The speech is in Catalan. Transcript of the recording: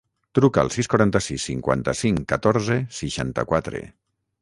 Truca al sis, quaranta-sis, cinquanta-cinc, catorze, seixanta-quatre.